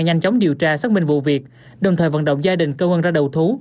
nhanh chóng điều tra xác minh vụ việc đồng thời vận động gia đình cơ quan ra đầu thú